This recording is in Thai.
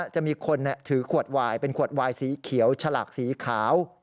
จะมีคนถือขวดวายเป็นขวดวายสีเขียวฉลากสีขาว